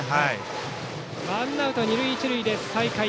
ワンアウト二塁一塁で再開。